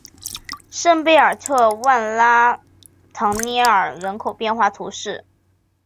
圣贝尔特万拉唐涅尔人口变化图示